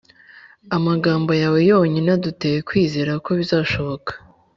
amagambo yawe yonyine aduteye kwizera ko bizashoboka